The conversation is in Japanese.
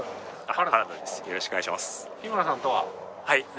はい。